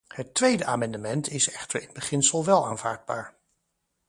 Het tweede amendement is echter in beginsel wel aanvaardbaar.